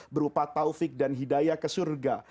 berupa taufik dan hidayah ke surga